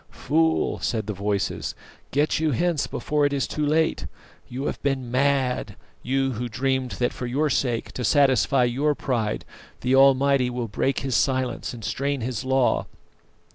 "Fool," said the voices, "get you hence before it is too late. You have been mad; you who dreamed that for your sake, to satisfy your pride, the Almighty will break His silence and strain His law.